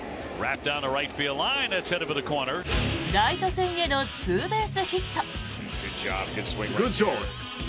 ライト線へのツーベースヒット。